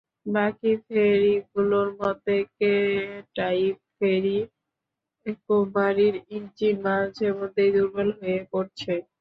বাকি ফেরিগুলোর মধ্যে কে-টাইপ ফেরি কুমারীর ইঞ্জিন মাঝেমধ্যেই দুর্বল হয়ে বসে পড়ছে।